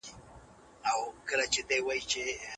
قلمي خط د نوښت لپاره زمینه برابروي.